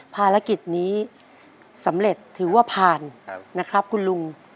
ภารกิจนี้สำเร็จถือว่าผ่านนะครับคุณลุง